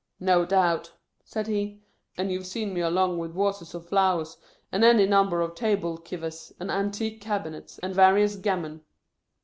" No doubt," said he. " And you Ve seen me along with warses of flowers, and any number of table kivers, and antique cabinets, and warious gammon."